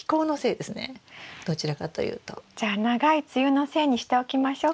じゃあ長い梅雨のせいにしておきましょうか。